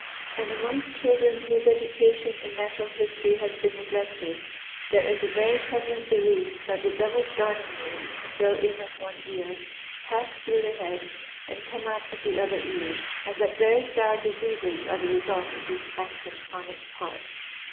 And amongst children whose edu cation in natural history has been neglected there is a very prevalent belief that the devil's darning needle can go in at one ear, pass through the head and come out at the other ear, and that various dire diseases are the result of this action on its part.